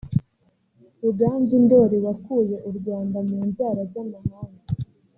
Ruganzu Ndoli wakuye u Rwanda mu nzara z’amahanga